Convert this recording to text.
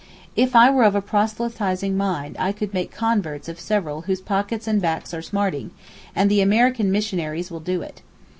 If I were of a proselytising mind I could make converts of several whose pockets and backs are smarting, and the American missionaries will do it.